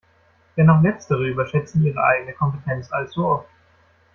Denn auch letztere überschätzen ihre eigene Kompetenz allzu oft.